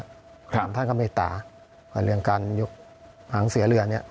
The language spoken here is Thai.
ถามท่านคำเมตตาว่าเรื่องการยุคหางเสือเรือนนี้